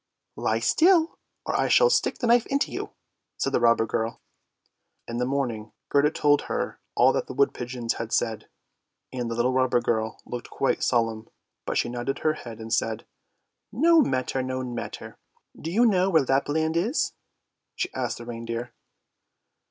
"Lie still, or I shall stick the knife into you!" said the robber girl. In the morning Gerda told her all that the wood pigeons had 208 ANDERSEN'S FAIRY TALES said, and the little robber girl looked quite solemn, but she nodded her head and said, " No matter, no matter! Do you know where Lapland is? " she asked the reindeer.